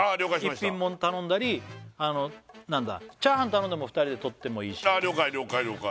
一品もの頼んだり何だ炒飯頼んで２人で取ってもいいし了解了解了解